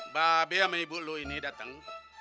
babes sama ibu lo ini dateng